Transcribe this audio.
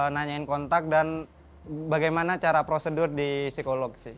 nanyain kontak dan bagaimana cara prosedur di psikolog sih